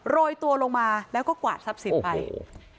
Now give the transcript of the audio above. โรยตัวลงมาแล้วก็กวาดซับสินไปโอ้โห